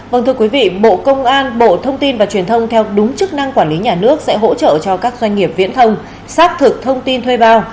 vâng thưa quý vị bộ công an bộ thông tin và truyền thông theo đúng chức năng quản lý nhà nước sẽ hỗ trợ cho các doanh nghiệp viễn thông xác thực thông tin thuê bao